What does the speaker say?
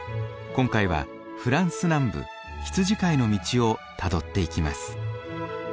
今回はフランス南部羊飼いの道をたどっていきます。